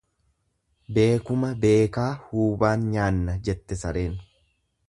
Beekuma beekaa huubaan nyaanna jette sareen.